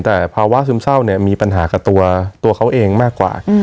แต่ภาวะซึมเศร้าเนี่ยมีปัญหากับตัวเขาเองมากกว่า